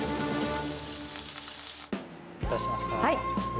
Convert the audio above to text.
お待たせしました。